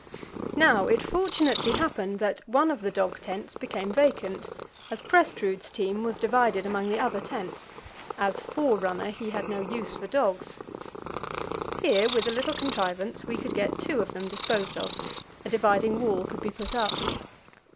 Now, it fortunately happened that one of the dog tents became vacant, as Prestrud's team was divided among the other tents; as "forerunner," he had no use for dogs. Here, with a little contrivance, we could get two of them disposed of; a dividing wall could be put up.